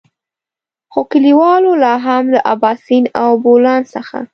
خو کليوالو لاهم له اباسين او بولان څخه.